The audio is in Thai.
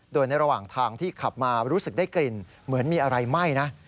โดยในระหว่างทางที่ขับมารู้สึกได้กลิ่นเหมือนมีอะไรไหม้นะ